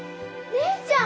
姉ちゃん！